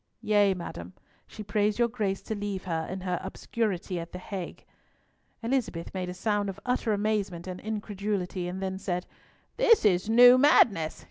"Yea, madam. She prays your Grace to leave her in her obscurity at the Hague." Elizabeth made a sound of utter amazement and incredulity, and then said, "This is new madness!